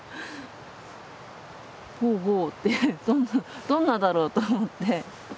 ほうほうってどんなだろうと思って。